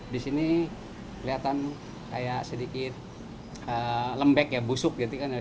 di sini kelihatan kayak sedikit lembek ya busuk